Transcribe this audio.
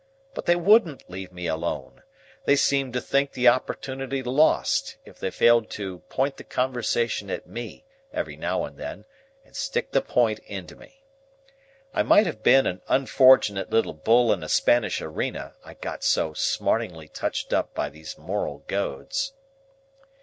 But they wouldn't leave me alone. They seemed to think the opportunity lost, if they failed to point the conversation at me, every now and then, and stick the point into me. I might have been an unfortunate little bull in a Spanish arena, I got so smartingly touched up by these moral goads.